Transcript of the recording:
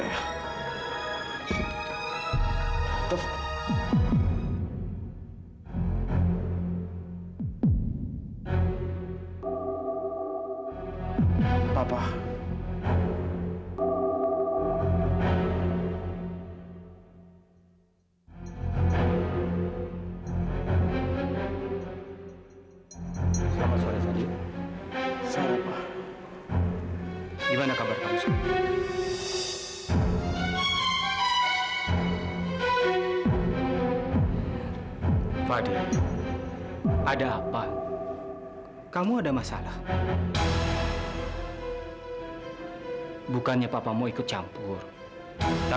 dia ballistic bekerja dengan saya